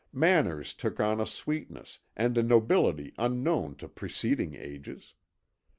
Manners took on a sweetness and a nobility unknown to preceding ages.